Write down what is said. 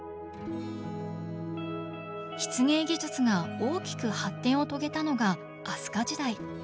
漆芸技術が大きく発展を遂げたのが飛鳥時代。